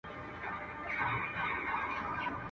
د زړه سوى، د کوني سوى.